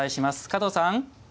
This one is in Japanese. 加藤さん！